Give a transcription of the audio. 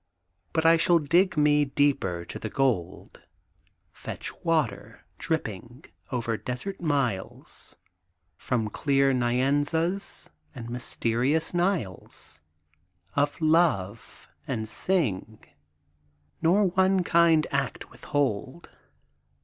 But I shall dig me deeper to the gold; Fetch water, dripping, over desert miles, From clear Nyanzas and mysterious Niles Of love; and sing, nor one kind act withhold.